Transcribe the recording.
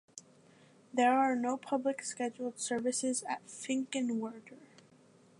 There are no public scheduled services at Finkenwerder.